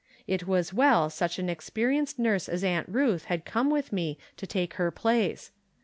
It was well such an experienced nurse as Aunt Euth had come with me to take her place.